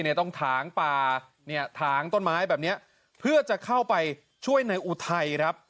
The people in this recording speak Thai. ที่ต้องถางป่าถางต้นไม้แบบนี้เพื่อจะเข้าไปช่วยในอุทัย